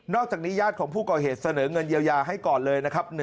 อกจากนี้ญาติของผู้ก่อเหตุเสนอเงินเยียวยาให้ก่อนเลยนะครับ